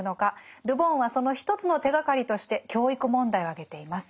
ル・ボンはその一つの手がかりとして教育問題を挙げています。